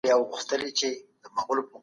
خلک پر خپل تاریخ ویاړي.